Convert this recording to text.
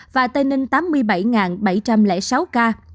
và tây ninh tám mươi bảy bảy trăm linh sáu ca